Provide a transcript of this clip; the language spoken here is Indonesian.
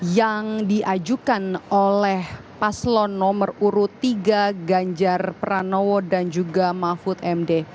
yang diajukan oleh paslon nomor urut tiga ganjar pranowo dan juga mahfud md